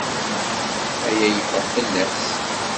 Aya yeffeɣ fell-as.